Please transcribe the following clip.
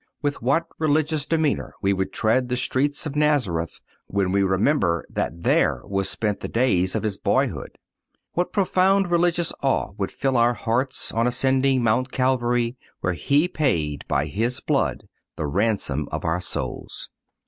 With what religious demeanor we would tread the streets of Nazareth when we remembered that there were spent the days of His boyhood. What profound religious awe would fill our hearts on ascending Mount Calvary, where He paid by his blood the ransom of our souls.